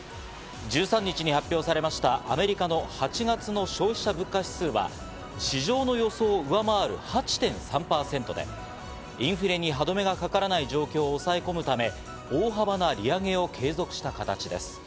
１３日に発表されました、アメリカの８月の消費者物価指数は、市場の予想を上回る８．３％で、インフレに歯止めがかからない状況を押さえ込むため、大幅な利上げを継続した形です。